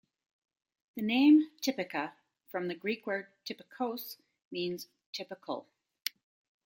The name "typica", from the Greek word "typikos", means "typical".